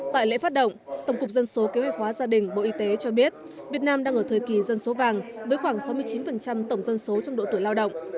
tại lễ phát động tổng cục dân số kế hoạch hóa gia đình bộ y tế cho biết việt nam đang ở thời kỳ dân số vàng với khoảng sáu mươi chín tổng dân số trong độ tuổi lao động